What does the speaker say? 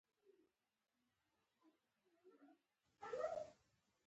هغه ماشینونه چې د نورو ماشینونو اساس تشکیلوي ساده بلل کیږي.